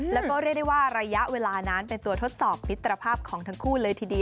แล้วก็เรียกได้ว่าระยะเวลานั้นเป็นตัวทดสอบมิตรภาพของทั้งคู่เลยทีเดียว